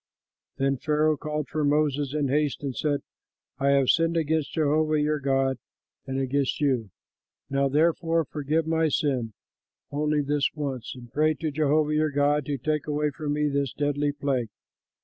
Then Pharaoh called for Moses in haste and said, "I have sinned against Jehovah your God and against you. Now therefore forgive my sin only this once, and pray to Jehovah your God to take away from me this deadly plague."